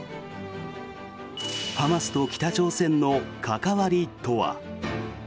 ハマスと北朝鮮の関わりとは。